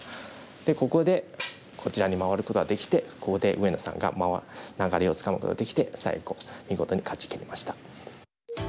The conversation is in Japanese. ここでこちらに回ることができてここで上野さんが流れをつかむことができて最後見事に勝ちきりました。